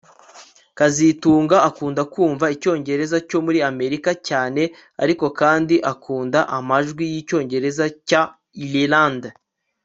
kazitunga akunda kumva icyongereza cyo muri Amerika cyane ariko kandi akunda amajwi yicyongereza cya Irlande